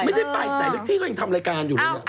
ไม่ได้ไปแต่เล็กที่ก็ยังทำรายการอยู่เลย